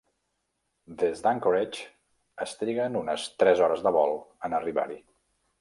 Des d'Anchorage es triguen unes tres hores de vol en arribar-hi.